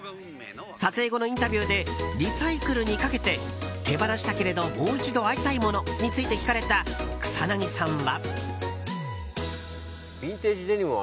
撮影後のインタビューでリサイクルにかけて手放したけれど、もう一度会いたいものについて聞かれた草なぎさんは。